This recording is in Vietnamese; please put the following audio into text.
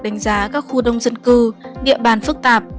đánh giá các khu đông dân cư địa bàn phức tạp